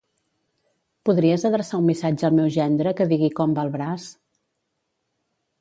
Podries adreçar un missatge al meu gendre que digui com va el braç?